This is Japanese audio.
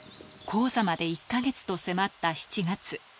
高座まで１か月と迫った７月。